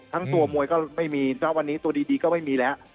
ทั้งตัวมวยก็ไม่มีณวันนี้ตัวดีก็ไม่มีแล้ว